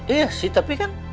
iya sih tapi kan